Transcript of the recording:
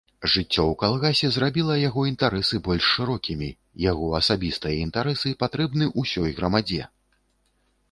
Жыццё ў калгасе зрабіла яго інтарэсы больш шырокімі, яго асабістыя інтарэсы патрэбны ўсёй грамадзе.